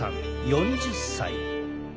４０歳。